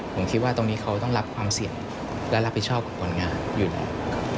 ผมคิดว่าตรงนี้เขาต้องรับความเสี่ยงและรับผิดชอบกับผลงานอยู่แล้ว